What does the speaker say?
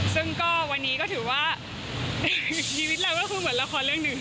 ซึ่งก็วันนี้ก็ถือว่าชีวิตเราก็คือเหมือนละครเรื่องหนึ่ง